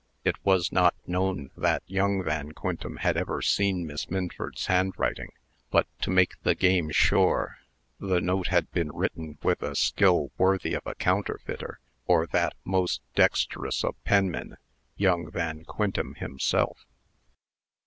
It was not known that young Van Quintem had ever seen Miss Minford's handwriting; but, to make the game sure, the note had been written with a skill worthy of a counterfeiter, or that most dexterous of penmen, young Van Quintem himself.